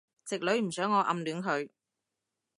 直女唔想我暗戀佢